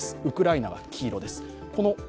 ウクライナが黄色です。